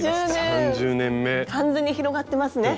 完全に広がってますね。